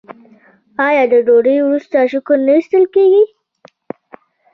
آیا د ډوډۍ وروسته شکر نه ایستل کیږي؟